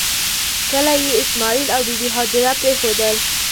کله چې یې اسماعیل او بي بي هاجره پرېښودل.